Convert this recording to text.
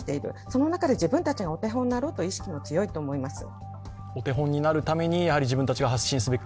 その中で自分たちがお手本になろうという意識が強いと思います。